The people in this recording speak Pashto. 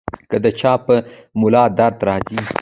کۀ د چا پۀ ملا درد راځي -